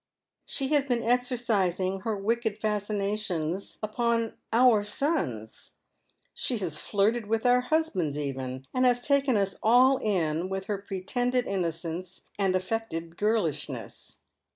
She has been exercising her wicked fascinations upon our sons. She has z 554 liead McrCe Slwea. flirted with our husbands even, and has taken us all in with her pretended innocence and affected girlishness.